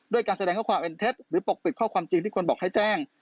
การแสดงข้อความเป็นเท็จหรือปกปิดข้อความจริงที่คนบอกให้แจ้ง